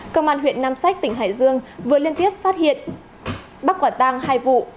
công an huyện nam sách tỉnh hải dương vừa liên tiếp phát hiện bắt quả tang hai vụ